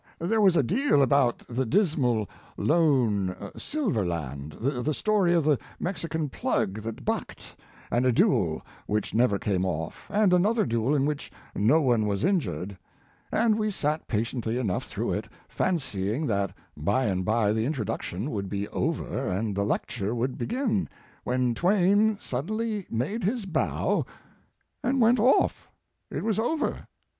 There was a deal about the dismal, lone silver land, the story of the Mexican plug that bucked, and a duel which never came off and another duel in which no one was injured; and we sat patiently enough through it, fancying that by and by the introduction would be over, and the lecture would begin, when Twain suddenly made his bow and went off! It was over.